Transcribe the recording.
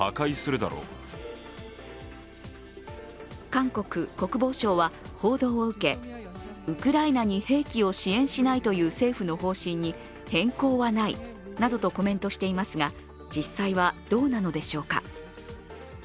韓国国防省は、報道を受けウクライナに兵器を支援しないという政府の方針に変更はないなどとコメントしていますが、実際はどうなのでしょうか。